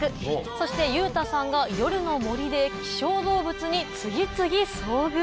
そして裕太さんが夜の森で希少動物に次々遭遇。